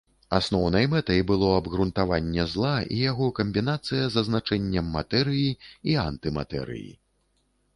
Асноўнай мэтай было абгрунтаванне зла і яго камбінацыя з азначэннем матэрыі і антыматэрыі.